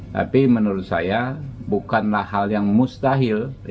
tapi menurut saya bukanlah hal yang mustahil